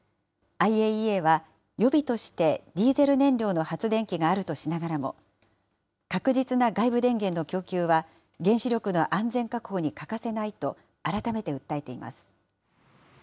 ＩＡＥＡは、予備としてディーゼル燃料の発電機があるとしながらも、確実な外部電源の供給は、原子力の安全確保に欠かせないと、改めて訴えています。